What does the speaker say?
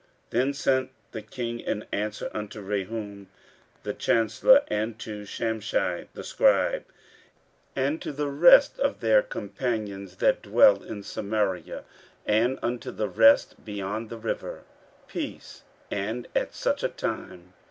15:004:017 Then sent the king an answer unto Rehum the chancellor, and to Shimshai the scribe, and to the rest of their companions that dwell in Samaria, and unto the rest beyond the river, Peace, and at such a time.